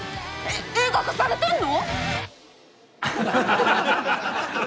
映画化されてんの！？